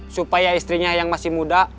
supaya istrinya yang masih muda